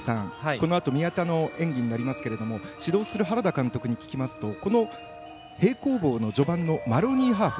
このあと宮田の演技になりますけれども指導する原田監督に聞くと平行棒の序盤のマロニーハーフ。